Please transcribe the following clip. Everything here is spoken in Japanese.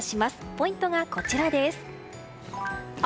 ポイントがこちら。